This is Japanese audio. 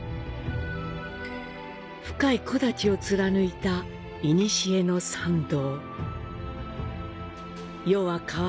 深い木立を貫いたいにしえの参道。